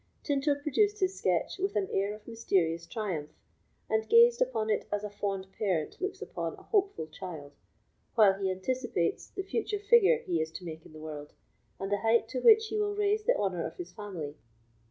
Tinto produced his sketch with an air of mysterious triumph, and gazed on it as a fond parent looks upon a hopeful child, while he anticipates the future figure he is to make in the world, and the height to which he will raise the honour of his family.